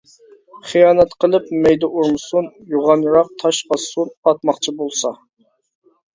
خىيانەت قىلىپ مەيدە ئۇرمىسۇن، يوغانراق تاش ئاتسۇن، ئاتماقچى بولسا!